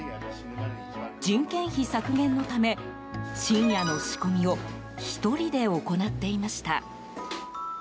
人件費削減のため深夜の仕込みを１人で行っていました。